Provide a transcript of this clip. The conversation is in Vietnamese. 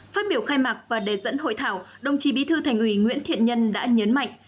phát biểu khai mạc và đề dẫn hội thảo đồng chí bí thư thành ủy nguyễn thiện nhân đã nhấn mạnh